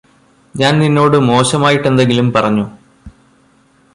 ഞാൻ നിന്നോട് മോശമായിട്ടെന്തെങ്കിലും പറഞ്ഞോ?